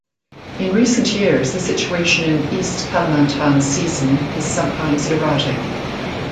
In recent years, the situation in East Kalimantan season is sometimes erratic.